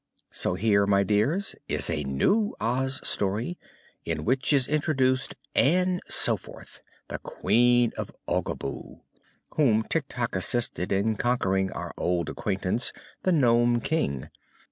So here, my dears, is a new Oz story in which is introduced Ann Soforth, the Queen of Oogaboo, whom Tik Tok assisted in conquering our old acquaintance, the Nome King.